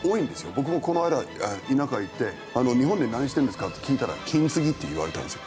僕もこの間田舎行って「日本で何してるんですか？」って聞いたら「金継ぎ」って言われたんですよ。